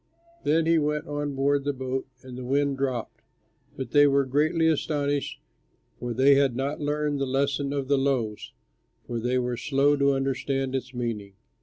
Then he went on board the boat and the wind dropped, but they were greatly astonished for they had not learned the lesson of the loaves, for they were slow to understand its meaning.